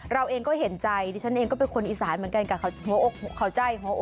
เราเองก็เห็นใจนี่ฉันเองก็เป็นคนอีสานเหมือนกันกับเผาใจ